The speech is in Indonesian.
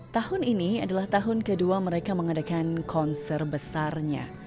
tahun ini adalah tahun kedua mereka mengadakan konser besarnya